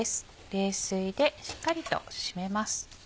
冷水でしっかりと締めます。